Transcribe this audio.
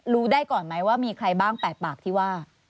รู้ได้ก่อนไหมว่ามีใครบ้าง๘ปากที่ว่า